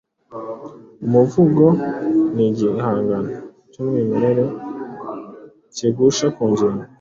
Umuvugo ni igihangano cy’umwimerere, kigusha ku ngingo